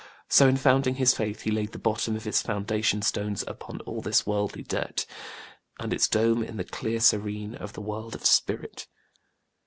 So in founding his Faith he laid the bottom of its foundation stones upon all this worldly dirt, and its dome in the clear serene of the world of Spirit.